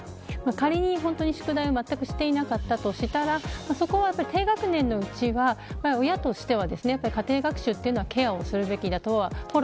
仮に、宿題を全くしていなかったとしたら、そこは低学年のうちは親としては家庭学習はケアをするべきだと。